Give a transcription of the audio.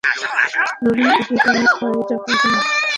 Loading apply করা হয় চক্রাকারে।